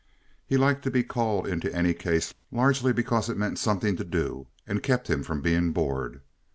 He liked to be called into any case largely because it meant something to do and kept him from being bored.